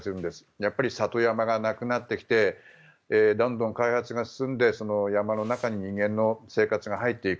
やっぱり里山がなくなってきてどんどん開発が進んでその山の中に人間の生活が入っていく。